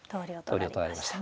投了となりました。